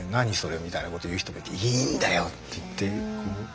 みたいなことを言う人もいて「いいんだよ」って言って。